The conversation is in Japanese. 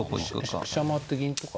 飛車回って銀とか。